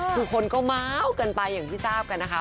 คือคนก็เมาส์กันไปอย่างที่ทราบกันนะคะ